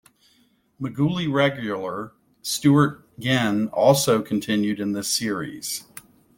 "McGooley" regular Stewart Ginn also continued in this series.